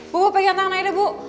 bu pegang tangan aja bu